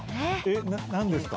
何ですか？